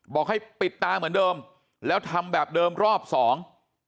บอกให้ปิดตาเหมือนเดิมแล้วทำแบบเดิมรอบสอง